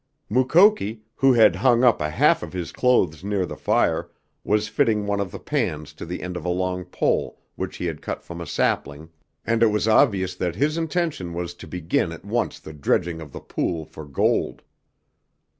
Mukoki, who had hung up a half of his clothes near the fire, was fitting one of the pans to the end of a long pole which he had cut from a sapling, and it was obvious that his intention was to begin at once the dredging of the pool for gold.